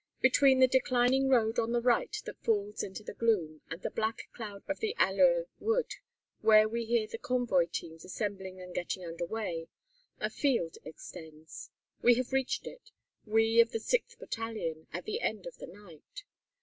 Between the declining road on the right that falls into the gloom, and the black cloud of the Alleux Wood where we hear the convoy teams assembling and getting under way a field extends. We have reached it, we of the 6th Battalion, at the end of the night.